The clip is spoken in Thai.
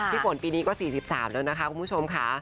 ฝนปีนี้ก็๔๓แล้วนะคะคุณผู้ชมค่ะ